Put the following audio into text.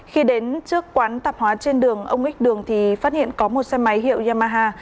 khi đến trước quán tạp hóa trên đường ông ích đường thì phát hiện có một xe máy hiệu yamaha